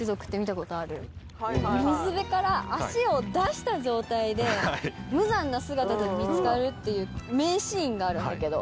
水辺から足を出した状態で無残な姿で見つかるっていう名シーンがあるんだけど。